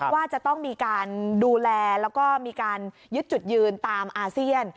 ว่าจะต้องมีการดูแลแล้วก็มีการยึดจุดยืนตามอาเซียน